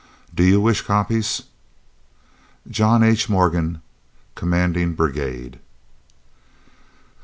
Do you wish copies? JOHN H. MORGAN, Commanding Brigade.